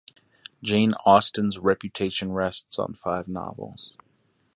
Jane Austen’s reputation rests on five novels.